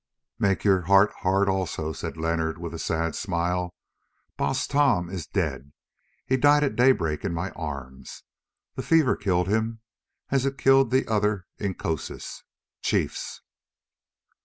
'" "Make your heart hard also," said Leonard with a sad smile; "Baas Tom is dead. He died at daybreak in my arms. The fever killed him as it killed the other Inkoosis (chiefs)."